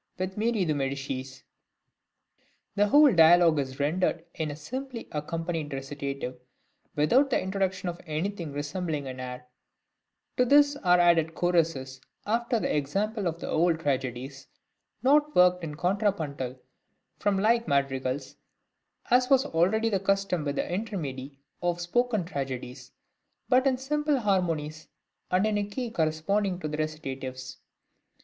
with Marie de Medicis. The whole dialogue is rendered in a simply accompanied recitative, without the introduction of anything resembling an air; to this are added choruses, after the example of the old tragedies, not worked out in contrapuntal form like madrigals, as was already the custom with the intermedii of spoken tragedies, but in simple harmonies, and in a key corresponding to the recitatives.